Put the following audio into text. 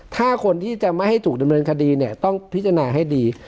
ถ้าคนที่จะไม่ให้ถูกดำเนินคดีเนี่ยต้องพิจารณาให้ดี